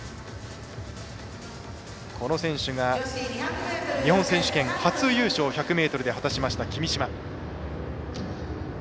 この選手が日本選手権、初優勝１００ｍで果たしました、君嶋。